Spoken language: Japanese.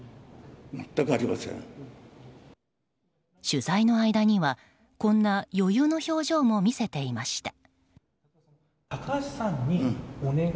取材の間にはこんな余裕の表情も見せていました。